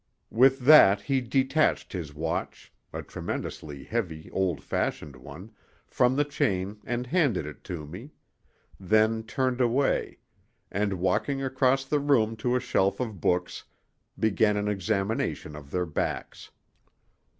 With that he detached his watch—a tremendously heavy, old fashioned one—from the chain, and handed it to me; then turned away, and walking across the room to a shelf of books, began an examination of their backs.